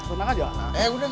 eh udah gapapa